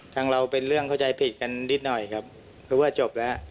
เราเป็นเรื่องเข้าใจผิดกันนิดหน่อยครับคือว่าจบแล้ว